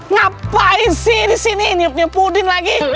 ngapain sih disini niapnya pudin lagi